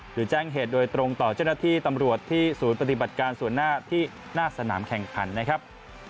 หรือแจ้งเหตุโดยตรงต่อเจ้าหน้าที่ตำรวจที่ศูนย์ปฏิบัติการส่วนหน้าที่หน้าสนามแข่งขันนะครับ